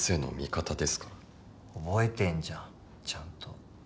覚えてんじゃんちゃんと。